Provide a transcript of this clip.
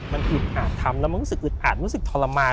มันหยุดอาจทำแล้วมันอาจรู้สึกทรมาน